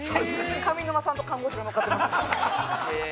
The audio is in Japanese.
上沼さんと看護師が乗っかってます。